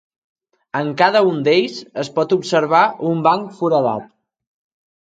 En cada un d'ells es pot observar un banc foradat.